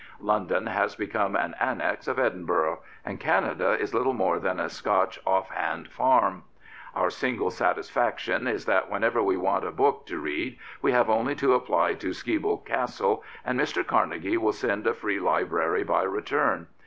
London has become an annexe of Edinburgh, and Canada is little more than a Scotch off hand farm. Our single satisfaction is that whenever we want a book to read we have only to apply to Skibo Castle and Mr. Carnegie will send a free library by return.